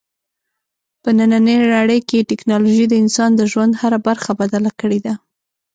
په نننۍ نړۍ کې ټیکنالوژي د انسان د ژوند هره برخه بدله کړې ده.